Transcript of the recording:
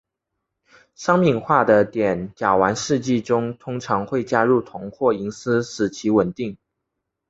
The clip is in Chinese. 商品化的碘甲烷试剂中通常会加入铜或银丝使其稳定。